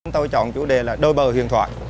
tôi chọn chủ đề là đôi bờ huyền thoại